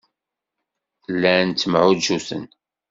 Llan ttemɛujjuten.